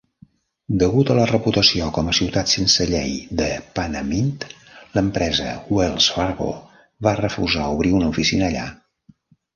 Degut a la reputació com a ciutat sense llei de Panamint, l'empresa Wells Fargo va refusar obrir una oficina allà.